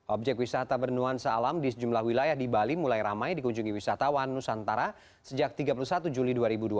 objek wisata bernuansa alam di sejumlah wilayah di bali mulai ramai dikunjungi wisatawan nusantara sejak tiga puluh satu juli dua ribu dua puluh